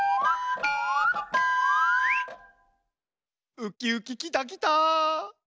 ウキウキきたきた！